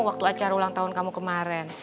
waktu acara ulang tahun kamu kemarin